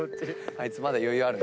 あいつまだ余裕ある。